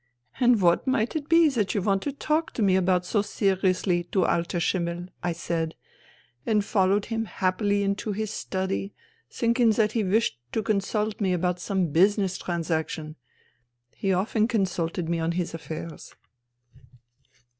*"' And what might it be that you want to talk to me about so seriously, du alter Schimmel ?* I said, and followed him happily into his study, thinking that he wished to consult me about some business trans action. He often consulted me on his affairs.